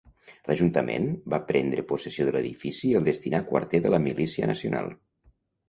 L'Ajuntament va prendre possessió de l'edifici i el destinà a quarter de la Milícia Nacional.